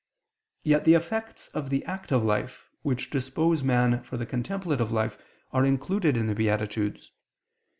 Yet the effects of the active life, which dispose man for the contemplative life, are included in the beatitudes.